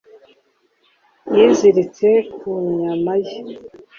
yiziritse ku nyama ye